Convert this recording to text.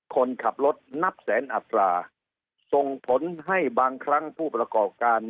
คนขับรถนับแสนอัตราส่งผลให้บางครั้งผู้ประกอบการ